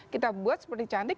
kita buat seperti cantik